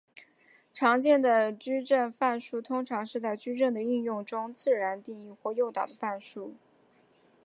常见的矩阵范数通常是在矩阵的应用中自然定义或诱导的范数。